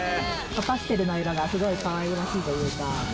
パステルの色がすごいかわいらしいというか。